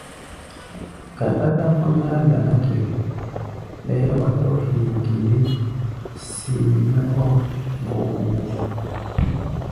Ka ɗáɗá kɔ́-mɛ́ á ganá kere, bɛɛ́ wa tɔ̧́ hee ge ndé, see-mɛ́ ɔ́ bobobo.